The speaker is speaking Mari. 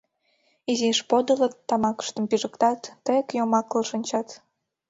Изиш подылыт, тамакыштым пижыктат, тэ-эк йомаклыл шинчат.